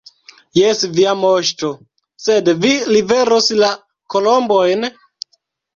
Jes, Via Moŝto, sed vi liveros la kolombojn?